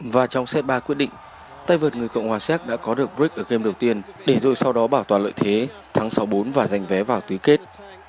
và trong xét ba quyết định tay vượt người cộng hòa sát đã có được break ở game đầu tiên để rồi sau đó bảo toàn lợi thế thắng sáu bốn và giành vé vào tùy kết